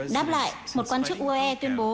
đáp lại một quan chức uae tuyên bố